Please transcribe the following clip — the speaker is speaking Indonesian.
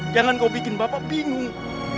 jangan kau bikin bapak bingung